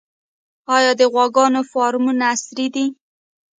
آیا د غواګانو فارمونه عصري دي؟